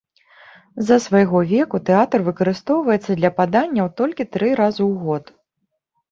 З-за свайго веку, тэатр выкарыстоўваецца для паданняў толькі тры разу ў год.